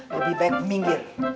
lebih baik meminggir